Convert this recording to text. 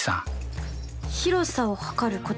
広さを測ることですか？